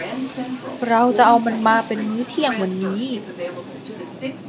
เราจะเอามันมาเป็นมื้อเที่ยงวันนี้